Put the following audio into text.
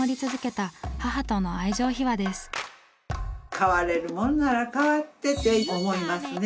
代われるもんなら代わってって思いますね。